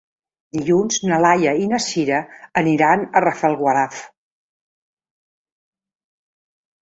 Dilluns na Laia i na Sira aniran a Rafelguaraf.